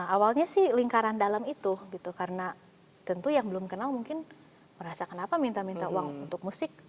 awalnya sih lingkaran dalam itu gitu karena tentu yang belum kenal mungkin merasa kenapa minta minta uang untuk musik